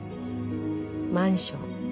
マンション。